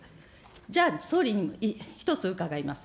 じゃあ総理、一つ伺います。